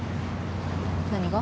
何が？